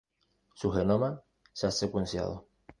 Su genoma se ha secuenciado.